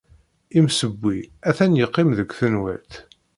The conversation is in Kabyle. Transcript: Imsewwi atan yeqqim deg tenwalt.